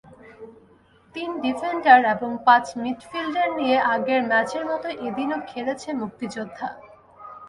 তিন ডিফেন্ডার এবং পাঁচ মিডফিল্ডার নিয়ে আগের ম্যাচের মতো এদিনও খেলেছে মুক্তিযোদ্ধা।